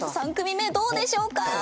３組目どうでしょうか？